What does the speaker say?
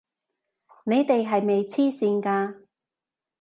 你哋係咪癡線㗎！